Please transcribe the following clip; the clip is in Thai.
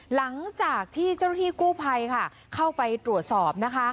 หลังจากที่เจ้าหน้าที่กู้ภัยค่ะเข้าไปตรวจสอบนะคะ